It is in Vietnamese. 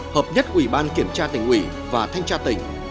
hợp nhất ủy ban kiểm tra tỉnh ủy và thanh tra tỉnh